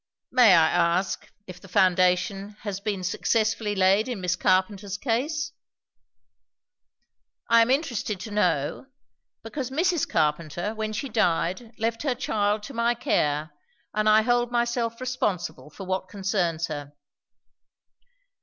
"May I ask, if the foundation has been successfully laid in Miss Carpenter's case? I am interested to know; because Mrs. Carpenter when she died left her child to my care; and I hold myself responsible for what concerns her."